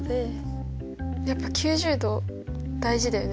やっぱ９０°大事だよね。